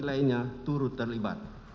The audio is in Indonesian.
lainnya turut terlibat